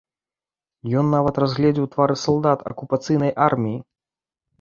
Ён нават разгледзеў твары салдат акупацыйнай арміі.